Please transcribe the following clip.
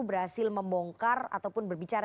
berhasil membongkar ataupun berbicara